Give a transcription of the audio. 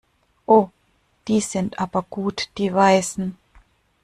Oh, die sind aber gut, die Weißen!